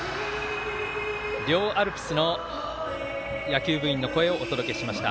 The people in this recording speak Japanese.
両アルプスの野球部員の声をお届けしました。